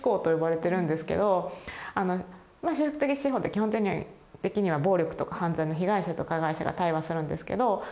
修復的司法って基本的には暴力とか犯罪の被害者と加害者が対話するんですけど。